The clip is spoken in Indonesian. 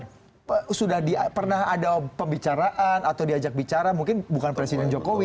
karena sudah pernah ada pembicaraan atau diajak bicara mungkin bukan presiden jokowi